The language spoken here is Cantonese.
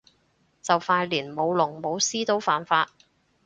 就快連舞龍舞獅都犯法